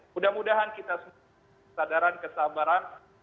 mudah mudahan kita semua kesadaran kesabaran